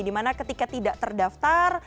di mana ketika tidak terdaftar